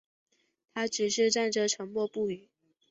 他只是站着沉默不语